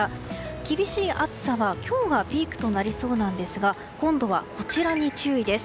厳しい暑さは今日がピークとなりそうですが今度はこちらに注意です。